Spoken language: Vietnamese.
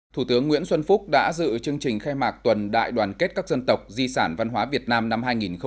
thủ tướng nguyễn xuân phúc đã dự chương trình khai mạc tuần đại đoàn kết các dân tộc di sản văn hóa việt nam năm hai nghìn một mươi chín